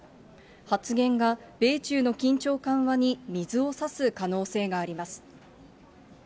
発言が米中の緊張緩和に水をさす可能性があります。